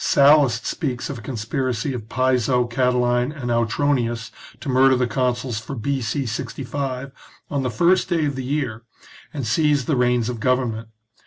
Sallust speaks of a conspiracy of Piso, Catiline, and Autronius to murder the consuls for B.C. 65 on the first day of the year, and seize the reins of government.